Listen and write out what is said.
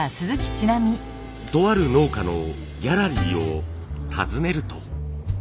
とある農家のギャラリーを訪ねると。